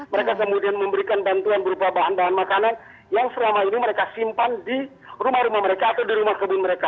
mereka kemudian memberikan bantuan berupa bahan bahan makanan yang selama ini mereka simpan di rumah rumah mereka atau di rumah kebun mereka